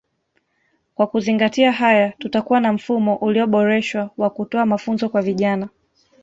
Kwa kuzingatia haya tutakuwa na mfumo ulioboreshwa wa kutoa mafunzo kwa vijana